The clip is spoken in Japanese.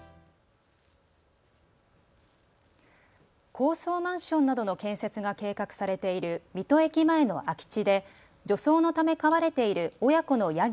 高層マンションなどの建設が計画されている水戸駅前の空き地で除草のため飼われている親子のヤギ